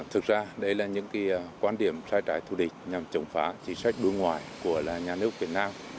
thực ra đấy là những quan điểm sai trái thù địch nhằm chống phá chính sách đối ngoại của nhà nước việt nam